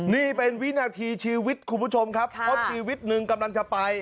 นี่เป็นวินาทีชีวิตคุณผู้ชมครับเพราะชีวิตหนึ่งกำลังจะไป